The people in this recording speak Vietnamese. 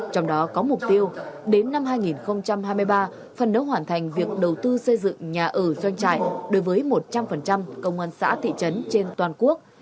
trong đó có mục tiêu đến năm hai nghìn hai mươi ba phần nấu hoàn thành việc đầu tư xây dựng nhà ở doanh trại đối với một trăm linh công an xã thị trấn trên toàn quốc